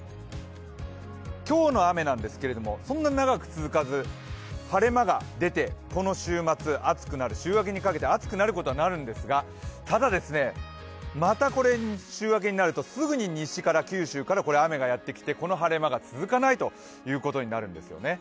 今日の雨なんですけれども、そんなに長く続かず、晴れ間が出てこの週末、週明けにかけて暑くなることはなるんですがただ、また週明けになると九州から雨がやってきてこの晴れ間が続かないということになるんですよね。